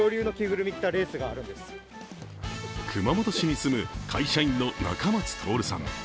熊本市に住む会社員の中松貫さん。